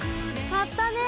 買ったね。